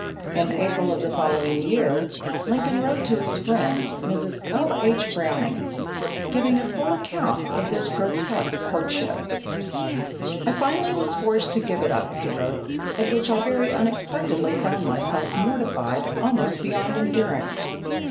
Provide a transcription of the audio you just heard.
In April, of the following year, Lincoln wrote to his friend, Mrs. L. H. Browning, giving a full account of this grotesque courtship: "I finally was forced to give it up [he wrote] at which I very unexpectedly found myself mortified almost beyond endurance.